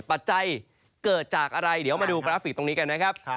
ปัจจัยเกิดจากอะไรเดี๋ยวมาดูกราฟิกตรงนี้กันนะครับ